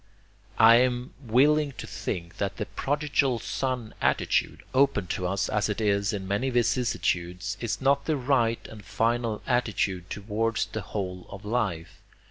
I am willing to think that the prodigal son attitude, open to us as it is in many vicissitudes, is not the right and final attitude towards the whole of life.